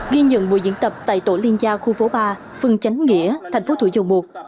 ghi nhận buổi diễn tập tại tổ liên gia khu phố ba phường chánh nghĩa thành phố thủ dầu một